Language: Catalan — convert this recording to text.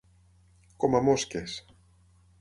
Com a mosques.